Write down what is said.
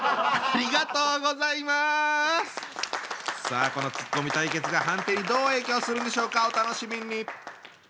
さあこのツッコミ対決が判定にどう影響するんでしょうかお楽しみに。